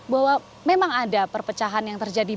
bahwa memang ada perpecahan yang terjadi